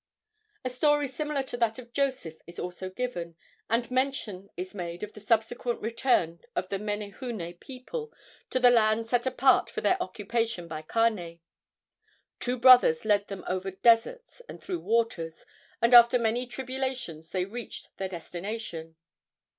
A story similar to that of Joseph is also given, and mention is made of the subsequent return of the Menehune people to the land set apart for their occupation by Kane. Two brothers led them over deserts and through waters, and after many tribulations they reached their destination.